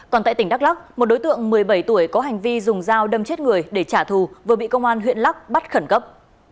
còn tại tỉnh đắk lắc một đối tượng một mươi bảy tuổi có hành vi dùng dao đâm chết người để trả thù vừa bị công an huyện lắc bắt khẩn cấp